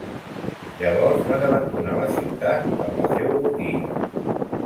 Llavors van abandonar la ciutat amb el seu botí.